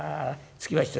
つきました。